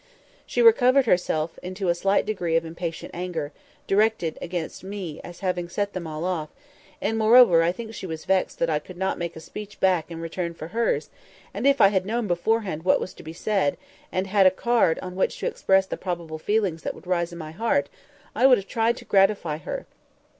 She recovered herself into a slight degree of impatient anger, directed against me, as having set them all off; and, moreover, I think she was vexed that I could not make a speech back in return for hers; and if I had known beforehand what was to be said, and had a card on which to express the probable feelings that would rise in my heart, I would have tried to gratify her.